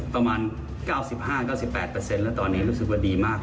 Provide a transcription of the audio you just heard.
ประมาณ๙๕๙๘แล้วตอนนี้รู้สึกว่าดีมาก